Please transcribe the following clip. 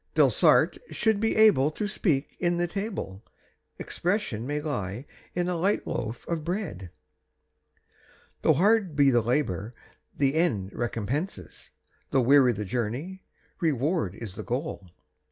Delsarte should be able to speak in the table 'Expression' may lie in a light loaf of bread. Though hard be the labour, the end recompenses Though weary the journey, reward is the goal.